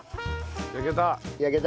焼けた。